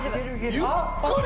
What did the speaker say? ゆっくり。